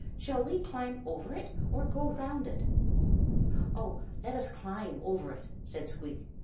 Shall we climb over it, or go round it?" "Oh, let us climb over it!" said Squeak.